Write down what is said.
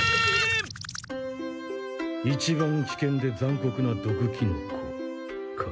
いちばん危険で残酷な毒キノコか。